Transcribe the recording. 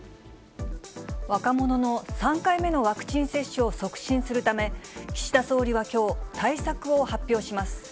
若者の３回目のワクチン接種を促進するため、岸田総理はきょう、対策を発表します。